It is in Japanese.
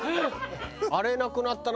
あれなくなったな。